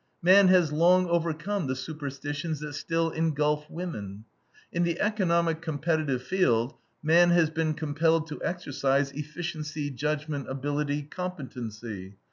Man has long overcome the superstitions that still engulf woman. In the economic competitive field, man has been compelled to exercise efficiency, judgment, ability, competency.